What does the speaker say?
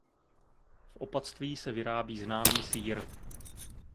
V opatství se vyrábí známý sýr.